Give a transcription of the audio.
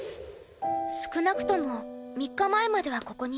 少なくとも３日前まではここにいた。